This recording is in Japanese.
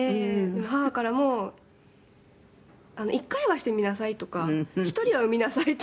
「母からも“１回はしてみなさい”とか“１人は産みなさい”って」